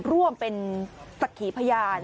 ร่วมเป็นสักขีพญาน